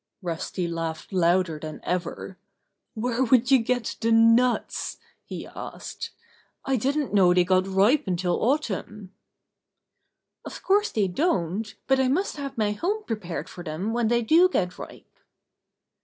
Rusty laughed louder than ever. "Where would you get the nuts?" he asked. "I didn't know they got ripe until autumn." "Of course they don't, but I must have my home prepared for them when they do get ripe."